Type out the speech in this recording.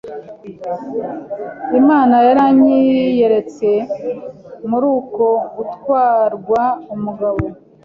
Imana yaranyiyeretse muruko gutwarwa umugabo